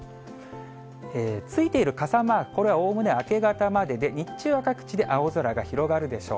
ついている傘マーク、これはおおむね明け方までで、日中は各地で青空が広がるでしょう。